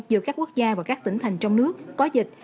giữa các quốc gia và các tỉnh thành trong nước có dịch